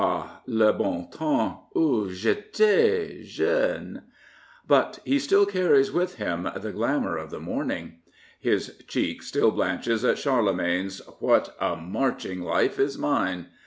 Ah, le bon temps oU fitais — jeune. But he still carries with him the glamour of the morning; his cheek still blanches at Charlemagne^s " What a march ing life is mine!